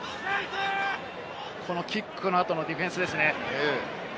このキックの後のディフェンスですね。